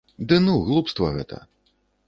Ды ну, глупства гэта.